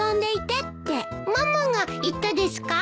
ママが言ったですか？